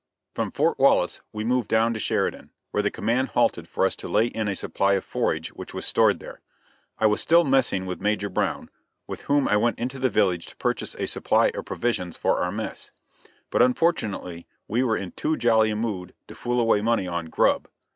From Fort Wallace we moved down to Sheridan, where the command halted for us to lay in a supply of forage which was stored there. I was still messing with Major Brown, with whom I went into the village to purchase a supply of provisions for our mess; but unfortunately we were in too jolly a mood to fool away money on "grub."